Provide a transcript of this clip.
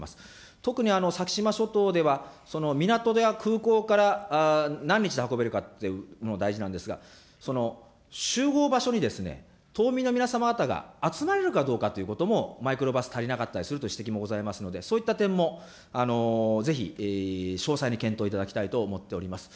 特に先島諸島では、港から空港で何日で運べるかっていうのが大事なんですが、集合場所に島民の皆様方が集まれるかどうかということも、マイクロバス足りなかったりするという指摘もございますので、そういった点もぜひ詳細に検討いただきたいと思っております。